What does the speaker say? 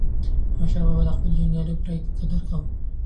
احمدشاه بابا د خپلو جنګیالیو پوره قدر کاوه.